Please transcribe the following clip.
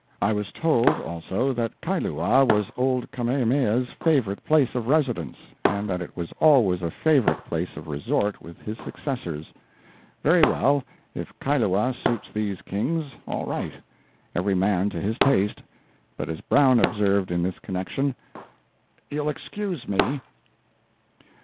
I was told, also, that Kailua was old Kamehameha's favorite place of residence, and that it was always a favorite place of resort with his successors. Very well, if Kailua suits these Kings—all right. Every man to his taste; but, as Brown observed in this connection, "You'll excuse me."